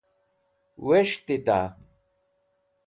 was̃htita?